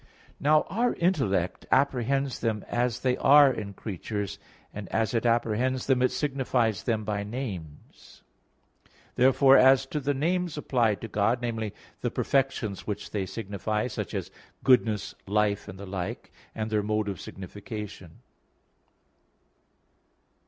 Now our intellect apprehends them as they are in creatures, and as it apprehends them it signifies them by names. Therefore as to the names applied to God viz. the perfections which they signify, such as goodness, life and the like, and their mode of signification.